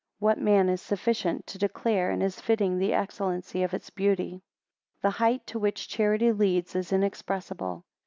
What man is sufficient to declare, and is fitting, the excellency of its beauty? 3 The height to which charity leads, is inexpressible.